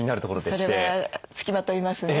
それはつきまといますね。